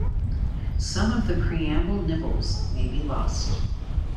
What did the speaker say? Some of the preamble nibbles may be lost.